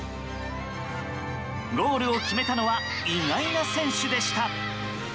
ゴールを決めたのは意外な選手でした。